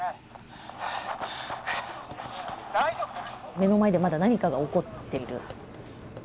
目の前でまだ何かが起こっている。